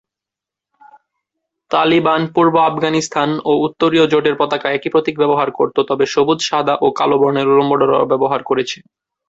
তালিবান-পূর্ব আফগানিস্তান ও উত্তরীয় জোটের পতাকা একই প্রতীক ব্যবহার করতো, তবে সবুজ, সাদা ও কালো বর্ণের উলম্ব ডোরা ব্যবহার করেছে।